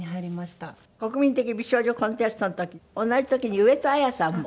国民的美少女コンテストの時同じ時に上戸彩さんも？